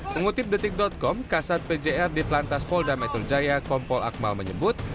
mengutip detik com kasat pjr di telantas polda metro jaya kompol akmal menyebut